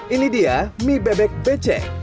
ini dia mie bebek becek